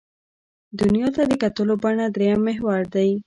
دنیا ته د کتلو بڼه درېیم محور دی.